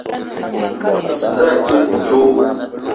Za a te djo?